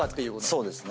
そうですね。